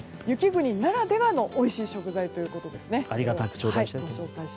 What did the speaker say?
雪国ならではのおいしい食材ということですね。